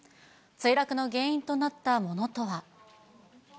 墜落の原因となったものとは。